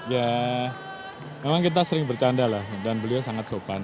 ya memang kita sering bercanda lah dan beliau sangat sopan